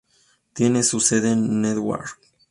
Tiene su sede en Newark.